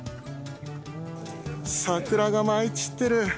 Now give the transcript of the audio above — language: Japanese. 桜が舞い散ってる。